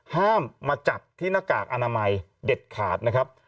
ห้ามมาจับที่หน้ากากอนามัยเด็ดขาดนะครับ